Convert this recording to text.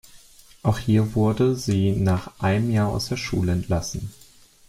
Auch hier wurde sie nach einem Jahr aus der Schule entlassen.